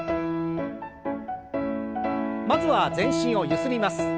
まずは全身をゆすります。